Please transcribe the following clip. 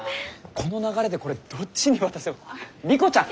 この流れでこれどっちに渡せば莉子ちゃん？